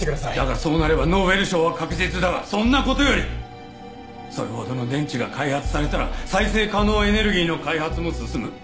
だがそうなればノーベル賞は確実だがそんな事よりそれほどの電池が開発されたら再生可能エネルギーの開発も進む。